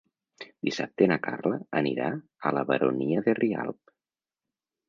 Dissabte na Carla anirà a la Baronia de Rialb.